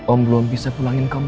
om belum bisa pulangin kamu